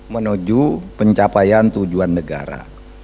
menuju pencapaian tujuan negara